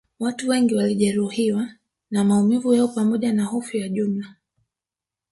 Watu wengi walijeruhiwa na maumivu yao pamoja na hofu ya jumla